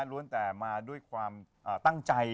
แต่มาด้วยความตั้งใจ